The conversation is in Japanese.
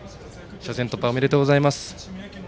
初戦突破おめでとうございます。